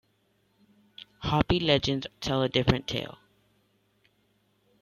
Hopi legends tell a different tale.